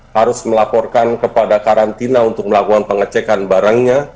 harus melaporkan kepada karantina untuk melakukan pengecekan barangnya